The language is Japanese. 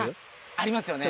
ありますよね。